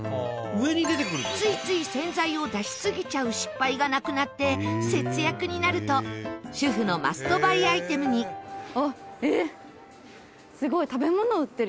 ついつい洗剤を出しすぎちゃう失敗がなくなって節約になると主婦のマストバイアイテムに矢田：「食べ物？」